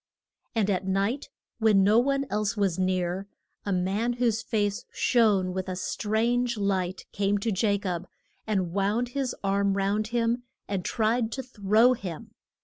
And at night, when no one else was near, a man whose face shone with a strange light, came to Ja cob and wound his arms round him and tried to throw him.